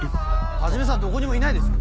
始さんどこにもいないですよ。